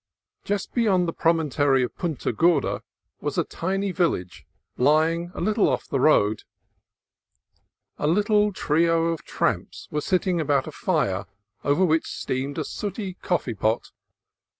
Just beyond the promontory of Punta Gorda was a tiny village, lying a little off the road. A trio of tramps were sitting about a fire, over which steamed a sooty coffee pot.